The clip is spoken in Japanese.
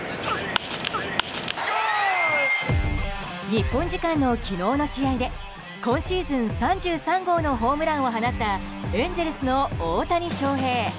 日本時間の昨日の試合で今シーズン３３号のホームランを放ったエンゼルスの大谷翔平。